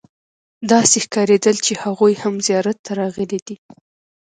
داسې ښکارېدل چې هغوی هم زیارت ته راغلي دي.